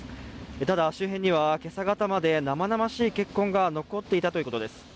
ただ周辺には今朝方まで生々しい血痕が残っていたということです。